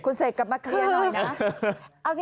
คุณเสกกลับมาเคลียร์หน่อยนะ